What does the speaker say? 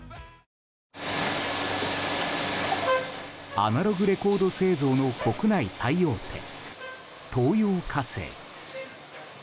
アナログレコード製造の国内最大手・東洋化成。